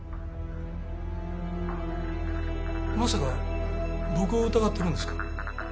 まさか僕を疑ってるんですか？